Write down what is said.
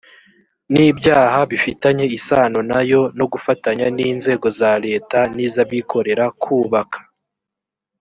n ibyaha bifitanye isano na yo no gufatanya n inzego za leta n iz abikorera kubaka